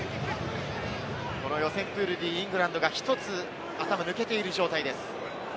この予選プールＤ、イングランドが１つ頭抜けている状態です。